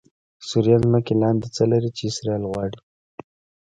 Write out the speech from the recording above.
سوریه ځمکې لاندې څه لري چې اسرایل غواړي؟😱